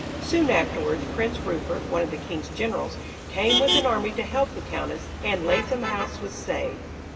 Soon afterwards Prince Rupert, one of the king's generals, came with an army to help the Countess, and Lathom House was saved.